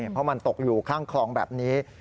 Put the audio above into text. เพราะมันตกอยู่ข้างคลองแบบนี้